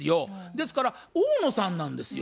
ですから大野さんなんですよ。